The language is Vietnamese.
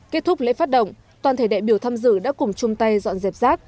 kết thúc lễ phát động toàn thể đại biểu tham dự đã cùng chung tay dọn dẹp rác